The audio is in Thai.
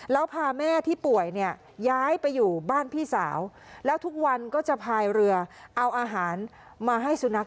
แล้วพาแม่ที่ป่วยเนี่ยย้ายไปอยู่บ้านพี่สาวแล้วทุกวันก็จะพายเรือเอาอาหารมาให้สุนัข